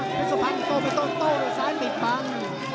พี่สุพันธ์โตไปโตซ้ายปิดปัง